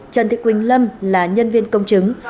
trần thị quỳnh lâm là nhân viên công chứng